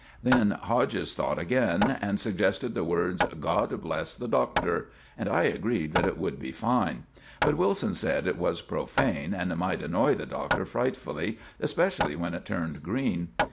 Then Hodges thought again, and suggested the words, "God bless the Doctor," and I agreed that it would be fine; but Wilson said it was profane, and might annoy the Doctor frightfully, especially when it turned green.